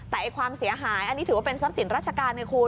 แต่ความเสียหายอันนี้ถือว่าเป็นทรัพย์สินราชการไงคุณ